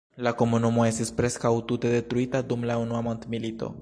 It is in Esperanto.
La komunumo estis preskaŭ tute detruita dum la Unua mondmilito.